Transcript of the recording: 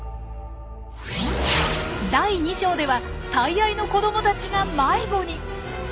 第２章では最愛の子どもたちが迷子に。